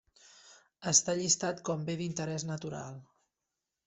Està llistat com bé d'interès natural.